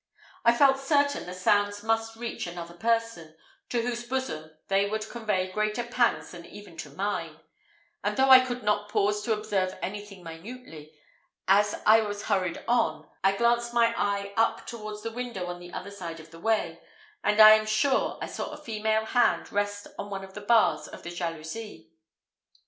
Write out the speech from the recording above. I felt certain the sounds must reach another person, to whose bosom they would convey greater pangs than even to mine; and though I could not pause to observe anything minutely, as I was hurried on, I glanced my eye up towards the window on the other side of the way, and I am sure I saw a female hand rest on one of the bars of the jalousie.